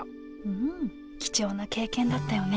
うん貴重な経験だったよね